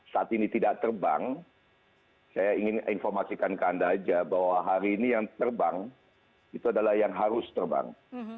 saat ini tidak terbang saya ingin informasikan ke anda aja bahwa hari ini yang terbang itu adalah yang harus terbang